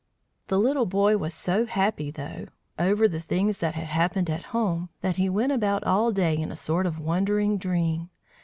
The little boy was so happy, though, over the things that had happened at home, that he went about all day in a sort of wondering dream.